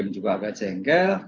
juga agak jengkel